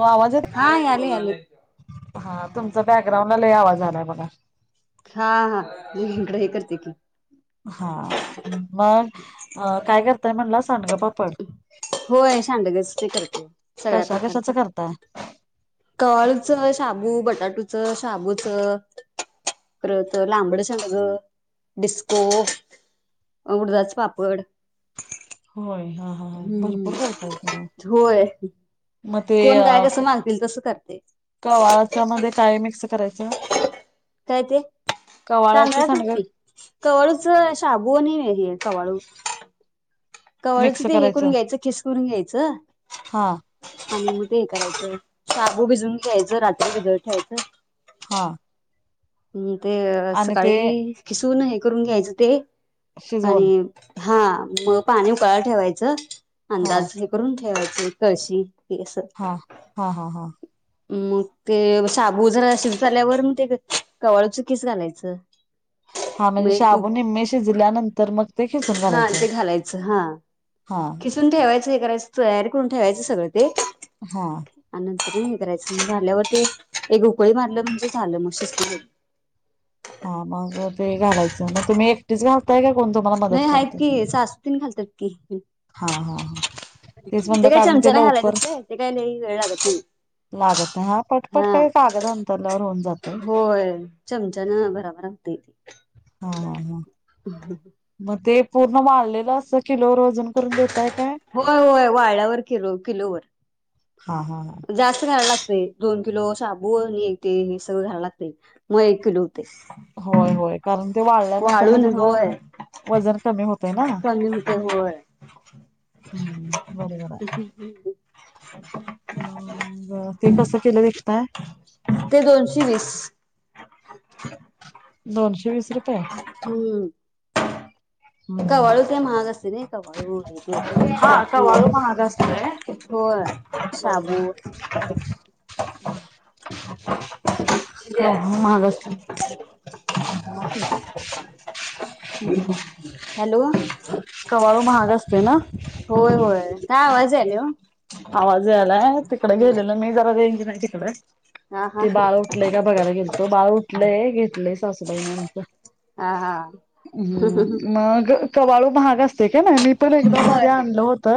हा आवाजत हा याले याले हा तुमचा बॅकग्राऊंड मलाही आवाज आलाय बघ हा हा मी हिकडं हे करते की हा मग अ काय करताय म्हणलास होय शांडगच की करते सगळ्या कशा कशाच प्रकारच करताय? कवाळुच शाबू बटाटूच शाबूच परत लांबड सांडग डिस्को उरदाच पापड होय हा ह हम्म भरपूर करताय कि म होय मग ते कोण काय कसं मागतील तसं करते कवाळाच्या मध्ये काय मिक्स करायचं काय ते कवाळ्याचं तांदळाचच सांडग की कवाळूच शाबू आणि हे कवाळू कवाळूची मिक्स ते हे करून करायचं. घ्यायचं खिसून घ्यायचं हा आणि मं ते शाबू भिजून घ्यायचं रात्री भिजत ठेवायचं हा हम् ते आणि ते सकाळी किसूून हे करून घ्यायचं ते शिजवून आणि हा मग पाणी उकळायला ठेवायचं हा अंदाज हे करून ठेवायचा कशी हा हा हा हा मग ते साबू जरा शिजत आल्यावर मग ते कवाळूच कीस घालायचं हा मग म्हणजे एक शाबू नि्मे शिजल्यानंतर मग ते खिसून हा घालायचं. ते घालायचं हा हा खिसून ठेवायच हे करायचं तयारी करून ठेवायचं सगळं ते हा आणि हे करायच म्ह झाल्यावर ते एक ऊकळी मारलं म्हणजे झालं म शिजत ते हा [inaudible] ते घालायचं मग तुम्ही एकटीच घालताय का कोण तुम्हाला नाही मदत आहेत करते? की सासू पण घालताहेत की हा हा हा तेच म्हणलं काय कारण ते चमचाने लवकर घालायचंच काय ते काय लई वेळ लागत नाही लागत हा पटपट हा काही कागद अंथरल्या वर होऊन जात होय चमचा न भरा भरा होतय ते हो. म ते पूर्ण वाळलेलं अस किलोवर अजून करून देताय का होय होय वाळल्यावर किलो किलोवर हा हा हा जास्ती [unintelligible] दोन किलो साबू आणि एक [unintelligible] हे सगळं घालायला लागते मग एक किलो होतंय होय होय कारण ते वाळल्यानंतर ना वाळून त्याच होय वजन कमी होतय ना. कमी होतय होय. हम्म बरोबर आहे. म ते कसं किलो विकता? ते [inaudible] दोनशे वीस रुपये हो. अका वळू स महाग असते नाय. हा कवाळू महाग असतोय [unintelligible] हो. बरोबर साबु आहे. जाम महाग असते हॅलो का वाळू महाग असते ना होय होय काय आवाज येई नाय आवाज यायलाय तिकडे गेलेलो मी जरा रेंज नाही तिकडं हा [unintelligible] हा ते हा बाळ उठलेय का बघायला गेलतो, बाळ उठलेय घेतलेय सासू बाईन आमच्या हा हा अम मग कवाळू महाग असते. हे नाही मी पण एकदा मध्ये होय आणल होत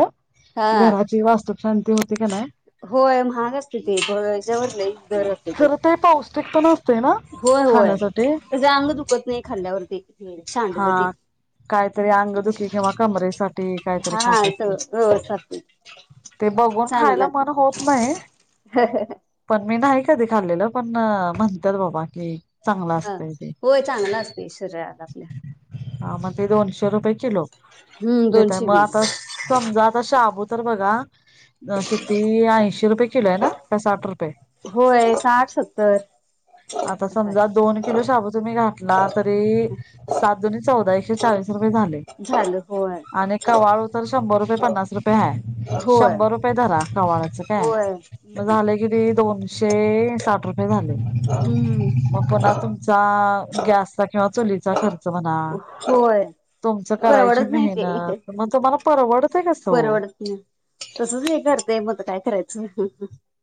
हा घराची वास्तू. होय महागच तथ. त्या. रते खरं ते पौष्टिक पण असते ना. होय होय खाण्यासाठी त्या अंग दुखत नाही खाल्ल्यावरती. ते. ते चांड कतीे. हा. काहीतरी अंगदुखी किंवा कमरेसाठी काहीतरी हा खातात ते व्यवस्था असते ते बघून चांगलं खायला मन लागते होत नाही पण मी नाही. कधी खाल्लेलं पण म्हणतात बाबा की. हा होय चांगला असते शरीला ला आपल्या. हा मग. दोनशे रुपये किलो हम्म देताय दोनशे म वीस आता समजा आता शाबुत तर बघा किती ऐंशी रुपये किलो आहे ना का साठ रु होय साठ-सत्तर आता समजा दोन किलो शाबू तुम्ही घातला तरी सात दुनी चौदा एकशे चाळीस रुपये झाले, झालं होय आणि कवाळू तर शंभर रुपये पन्नास रुपये हाय होय शंभर रुपये धरा कवाळाच काय होय मग झालं किती दोनशे साठ रुपये झा हम्म मग पुन्हा तुमचा गॅसचा किंवा चुलीचा खर्च म्हणा, होय तुमचं करायची परवडत नाही ते मेहनत मग तुम्हाला परवडतय कसं ओ. परवडत नाही हा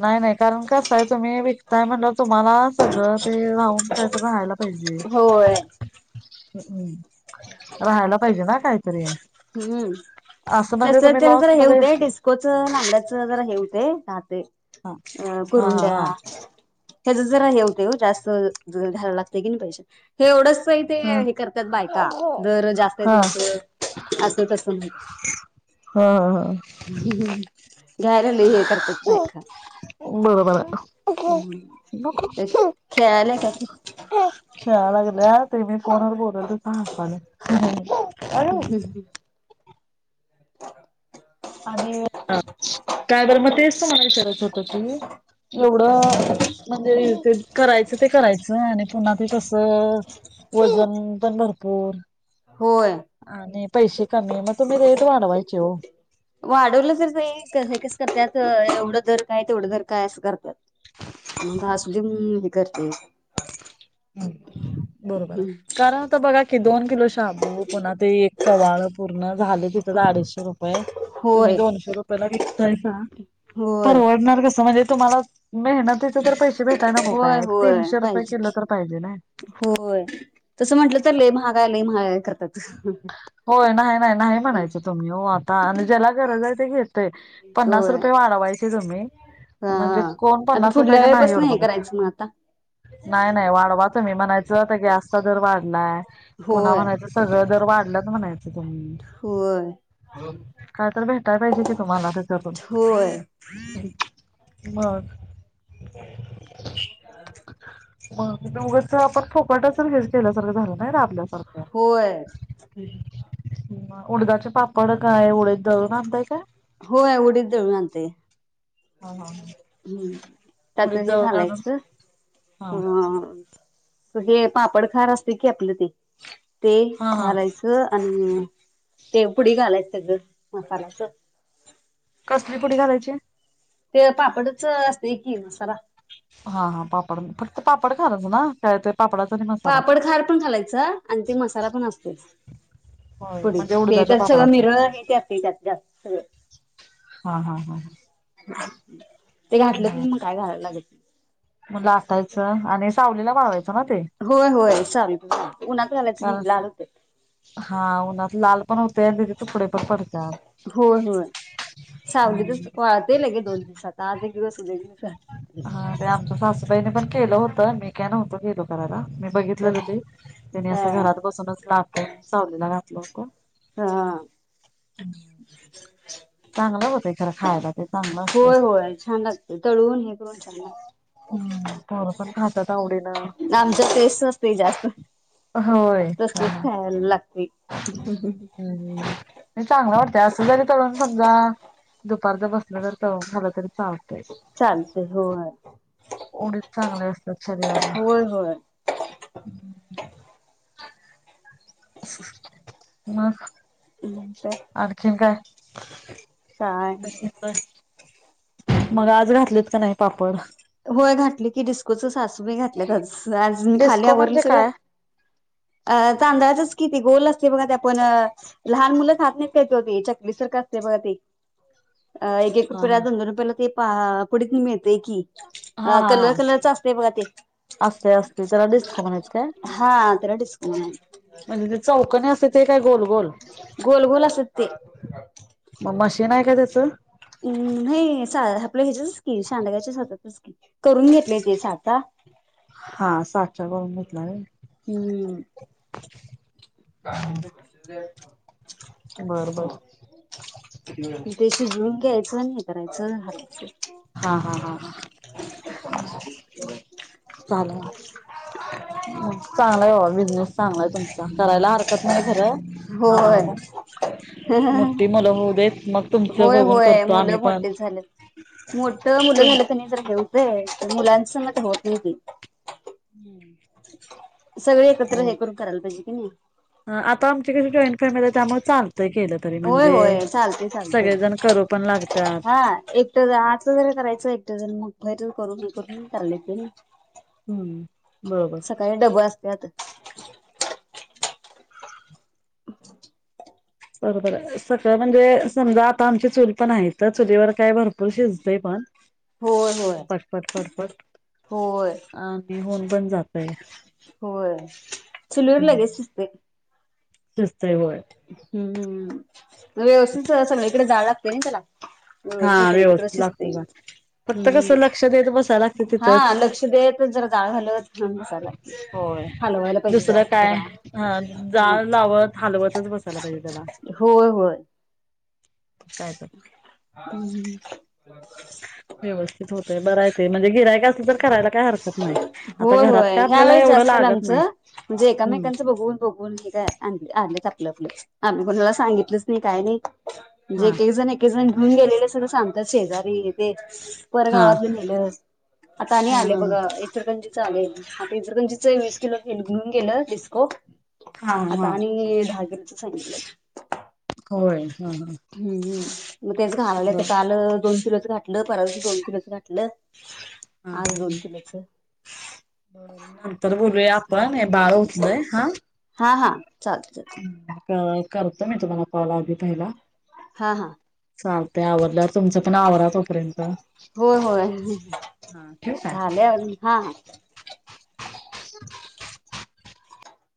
नाही नाही कारण कसं आहे तुम्ही वि कताय म्हणल्याव चौ तुम्हाला सगळं ते राहून कायतर राहायला पाहिजे. होय ्म् राहायला पाहिजे ना काय हम्म म्हणजे तस तुम्ही त्याला लॉस जरा हे मध्ये होतंय डिस्कोचं लांबड्याचं जरा हे हु तय रातय. हा अ हा कुरुंड्या हा हेच जरा हे होतंय ओ जास्त. ते जर घ्यायला लागतंय की नाही पैसे हे एवढंच पाणी ते हा हे करतात बायका, दर जास्त आहे हा तुमचं असं तसं म्ह हा घ्या बरं बरं खेळायला काय खेळा लागल्यात. ते मी फोनवर बोल त असताना हसालंय. हा हम्म हम्म [inaudible] आणि अनं काय बरं मग तेच. मला विचारायचं होत की एवढं म्हणजे ते करायचं ते करायचं आणि पुन्हा ते तस वजन पन भरपूर होय आणि पैसे कमी मग तुम्ही रेट वाढवायची हो. वाढवलं तर ते कस करत्यात अ एवढ तर काय तेवढं तर काय अस करत्यात असूदे म्हणून करतेय बरोबर आहे कारण तर बघाय की दोन एक किलो शाबू पुन्हा ते एक कवाळ पूर्ण झाले तिथेच अडीचशे रुपये तुम्ही होय दोनशे रुपयला विकतायसा होय परवडणार कस म्हणजे तुम्हाला मेहनतीचे तर पैसे भेटाय नको काय होय एक होय तीनशे रुपये पाहिजे किलो की तर पाहिजे ना होय तसं म्हटलं तर लई महाग हाय लई महाग हाय खरतात होय नाही नाही नाही म्हणायच तुम्ही हो आता आणि ज्याला गरज आहे ते घे तय पन्नास होय रुपये वाढवायचं. हे तुम्ही हा म्हणजे कोण आता पन्नास रुपये पुढल्या कर नाही वेळेपासन एढ हे बघ आता करायचं मग नाही नाही वाढवा तुम्ही म्हणायचता गॅसचा दर वाढलाय पुन्हा होय म्हणायचं सगळं वाढल्यात म्हणायचं. होय काय तर भेटाय पाहिजे कि तुम्हाला तेच्यातून होय मगं मग हीत उगच काय आपण फूकटच तर हे केल्यासारखं झालं नाही ना राबल्यास. होय हुं, हुं म उडदाचे पापड काय उडीद दळून आणताय काय? होय उडीच दळून आणतोय. हा हा हा हम् त्यात उडीद हे दळून आणून घालायचं हा ह हे पापड खार असते की आपलं ते ते हा हा घालायचं आणि तेव पुुडी घालायच सगळं मसाल्याच कसली पुडी घालायची? ते पापडच असतय की मसाला. हा हा पापड फक्त [unintelligible] काय तर पापड खार पण घालायच आणि ते मसाला पण असतोय. होय पुढे म्हणजे ते उडदाच्या त्यात सगळं पापडाचा मिर हे ते असत जास्त जास्त सगळं. हा, हा, हा, हा [unintelligible] म की मग काय घालायला लागत नाही. म आटायचं आणि सावलीला वळवाय होय होय साल पाप उन्हात घालायचं कारण नाही लाल होतय. हा उन्हात लाल पण होतय तिजे तुकडे पर पडत्यात होय होय हम् सावलीतच वाळतंय लगे दोन दिवसात आज एक दिवस देली म्हणजे झालं. हा ते आमच्या सासूबाईने पण केलं होतं मी काय नव्हतो गेलो करायला. मी बघितलेलं वाळतंय. होते त्यानी हा असं घरात बसूनच लाटून सावलीला घात [unintelligible] हा. चांगल होतयं खर खायला ते चांगलं असतंय होय होय छान लागते तळवून हे करून छान लागते. हम्म पोरं पण खातात आवडी आमचा टेस्ट असते जास्त होय तसलच हा खायला लागते. हम्म चांगलं वाटतंय असं जरी तळुन समजा दुपारदा बसलं जर झालं तरी चालतय चालतंय होय उडीद चांगले असतात शरीराला होय होय [unintelligible] आणखीन काय? [inaudible] काय [unintelligible] मग आज घातलेत का नाही पापड. होय घातली की डिस्कोच सास तुम्ही घातल्यात आज मी खाली डिस्को आवरल म्हणजे सगळं काय? किती गोल असते बघा ते आपण लहान मुलं खात नाहीत काय ते ओ चकलीसारखं असते बघा ते अ एक-एक हा रुपयाला हा दोन-दोन रुपयाला ते पहा पुढत न मिळतय की हा अ हा कलर हा कलरच असते बघा ते असतय असतय त्याला डिस्को म्हणयच काय हा त्याला डिस्को म्हणायचं म्हणजे चौकने असते ते काय गोल गोल गोल गोल असतात ते म मशी हे नाही काय त्याचं हम्म नाही आपलं ह्याच्याच कि सांडगाच्या होतातच की करून घेतले ते साचा हा साठ तळून घेतलाये. हम्म [unintelligible] [inaudible] बर बर हं. ते शिजवून घ्यायचं आणि हे करायचं हातचं हा हा हा हा चाललं. चांगलाय बघा बिझनेस चांगलाय तुमच. करायला हरकत नाही खरं आम्हाला होय पण मोठठी मुलं होऊ देत मग तुमचं होय बघून होय करतो आम्ही मुलं पण मोठीेच झालेत. मोठ मुलं हो झालं कनई जरा होतय पण मुलांन संगट होत नाई ते सगळी एकत्र हे करून करायला पाहिजे. ह. ह आता आमची कशी जॉईंट फॅमिली आहे त्यामुळे चाल होय होय चालतयं सगळेजण करू पण चालतयं लागतात हा एकट जरा आतलं जरा करायचं एकटं जण मग तर करून हे होत नाई करायला येताय नाई. हम्म. बरोबर सकाळी डब असत्यात. हम. बरोबर आहे सकाळ म्हणजे समजा आता आमची चूल पण आहे तर चुलीवर काय भरपूर शिजतय पण होय होय पटपट पटपट होय आणि होऊन पण जातय होय चुलीवर लगेच शिजतंय. शिज हम्म हम्म. व्यवस्थित जर सगळीकडे जाळ लाग तय नाही त्यला. हा व्यवस्थित लागतो जाळ, फक्त कस हम्म लक्ष देत बस हा लक्ष देतच जरा जाळ घालत बसायला लागतंय होय. हालवायला पाहिजे दुसरं जाळ काय जरा हा ह जाळ लावत हलवतच बसायला होय होय. मग काय कर हम [unintelligible] व्यवस्थित होतय बराय ते म्हणजे गिरायकास होय होय काय ह्या आपल्याला वेळी एवढं जास्त लागत लाँच, नाही ्हणजे हम्म एमेकांचं बघून बघून हे काय आपलं -आपलं, आम्ही कोणाला सांगितलंच नाही काय नाही जे हा एकेकजण, एकेकजण म्हणून गेलेले सगळं सांगतात शेजारी हे ते. हा परगावातलं नेल. आता आणि हा आले हा. बघा इचलकरंजीत. चालेल आता इचलकरंजीच विस किलो तेल घेऊन गेल डिस्को. हा हा आता आणि दहा किलो सांगितलं. होय ह ह. हम्म हम्म मग तेच घाललंय ते काल दोन किलोच घाटलं, परवादिवशी दोन किलोच घाटलं. हा आज दोन किलोच. नंतर बोलूया आपण हे बाळ उठलंय हा हा हा. चालतय चालतय. करतो मी तुम्हाला कॉल आधी पहिला. हा हा. चालतंय आवरल्यावर तुमच पण आवरा तोपर्यंत होय होय हा ठिव का? झाले हा हा [inaudible]